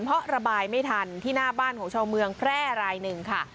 เพราะระบายไม่ทันที่หน้าบ้านของชาวเมืองแพร่รายหนึ่งค่ะ